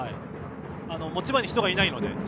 持ち場に人がいないので。